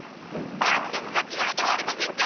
約束が違うではありませんか！